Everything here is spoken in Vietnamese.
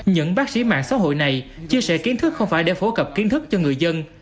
những bác sĩ mạng xã hội này chia sẻ kiến thức không phải để phổ cập kiến thức cho người dân